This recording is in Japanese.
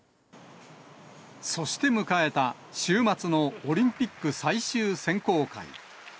そして迎えた週末のオリンピック最終選考会。